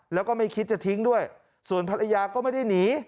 แล้วก็ไม่คิดจะทิ้งด้วยส่วนภรรยาก็ไม่ได้หนี